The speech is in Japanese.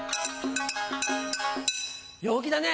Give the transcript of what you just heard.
陽気だね！